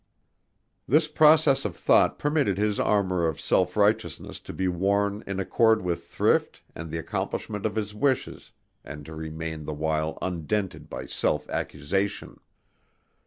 This process of thought permitted his armor of self righteousness to be worn in accord with thrift and the accomplishment of his wishes and to remain the while undented by self accusation.